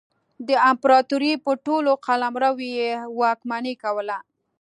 د امپراتورۍ پر ټولو قلمرونو یې واکمني کوله.